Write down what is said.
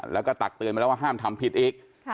แล้วก็ตักเตือนไปแล้วว่าห้ามทำผิดอีก